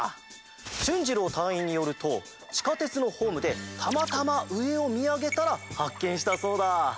しゅんじろう隊員によるとちかてつのホームでたまたまうえをみあげたらはっけんしたそうだ！